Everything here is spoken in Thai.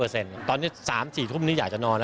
ตอนนี้๓๔ทุ่มนี้อยากจะนอนแล้ว